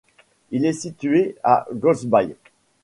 Il est situé à Goldsby.